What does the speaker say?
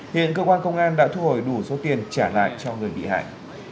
hiện cơ quan công an đã thu hồi đủ số tiền trả lại cho người bị hại